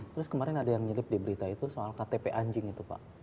terus kemarin ada yang mirip di berita itu soal ktp anjing itu pak